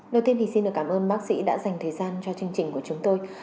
đầu tiên thì xin được cảm ơn bác sĩ đã dành thời gian cho chương trình của chúng tôi